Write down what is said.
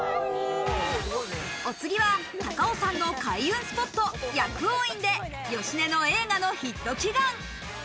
お次は高尾山の開運スポット・薬王院で芳根の映画のヒット祈願。